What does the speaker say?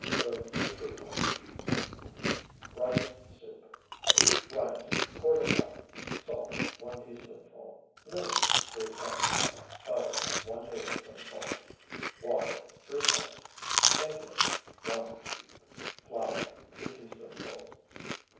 Serve with croutons. RICE SOUP Rice, ¼ cup. Salt, 1 teaspoonful. Milk, 3 cups. Butter, 1 tablespoonful. Water, 3 cups. Egg yolk, 1. Flour, 2 teaspoonfuls.